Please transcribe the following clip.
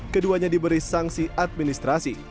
keduanya diberi sanksi administrasi